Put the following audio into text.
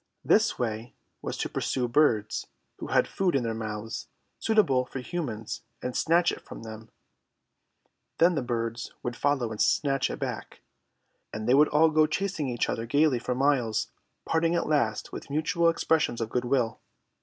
His way was to pursue birds who had food in their mouths suitable for humans and snatch it from them; then the birds would follow and snatch it back; and they would all go chasing each other gaily for miles, parting at last with mutual expressions of good will.